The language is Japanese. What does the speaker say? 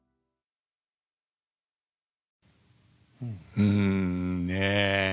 うんねえ。